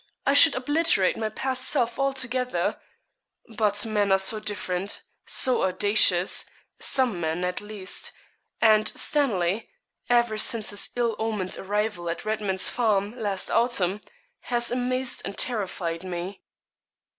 I should obliterate my past self altogether; but men are so different, so audacious some men, at least and Stanley, ever since his ill omened arrival at Redman's Farm, last autumn, has amazed and terrified me.'